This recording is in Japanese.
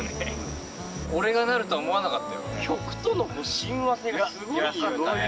俺がなるとは思わ曲との親和性がすごかったね。